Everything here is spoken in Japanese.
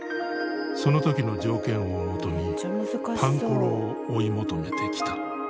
その時の条件をもとにパンコロを追い求めてきた。